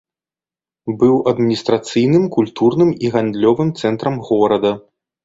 Быў адміністрацыйным, культурным і гандлёвым цэнтрам горада.